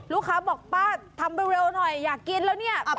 ลูกค้าบอกป้าทำเร็วหน่อยอยากกินแล้วเนี่ย